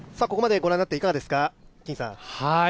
ここまで御覧になっていかがですか？